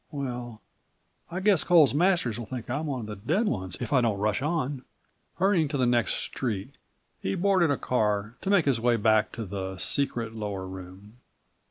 "Well, I guess Coles Masters will think I'm one of the dead ones if I don't rush on." Hurrying to the next street, he boarded a car to make his way back to the secret lower room.